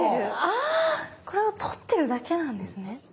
これを取ってるだけなんですね。